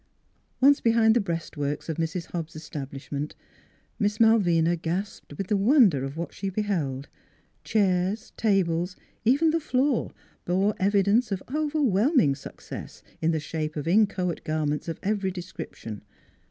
Once behind the breastworks of Mrs. Hobbs' establishment Miss Malvina gasped with the won der of what she beheld: chairs, tables, even the floor bore evidence of overwhelming success in the shape of inchoate garments of every descrip tion.